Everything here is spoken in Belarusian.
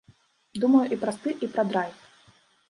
Думаю і пра стыль, і пра драйв.